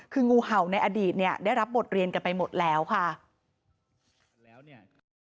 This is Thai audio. คืองูเห่าในอดีตเนี่ยได้รับบทเรียนกันไปหมดแล้วค่ะ